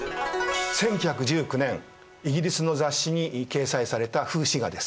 １９１９年イギリスの雑誌に掲載された風刺画です。